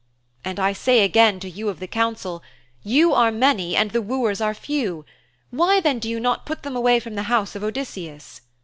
And I say again to you of the council: you are many and the wooers are few: Why then do you not put them away from the house of Odysseus?'